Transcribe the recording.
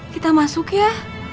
kita masuk ya